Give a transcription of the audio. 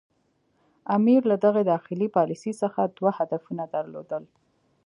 امیر له دغې داخلي پالیسي څخه دوه هدفونه درلودل.